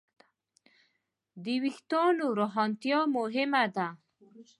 د وېښتیانو روښانتیا مهمه ده.